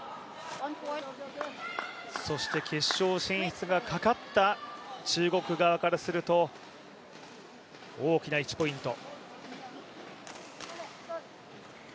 そして決勝進出がかかった中国側からすると、大きな１ポイント。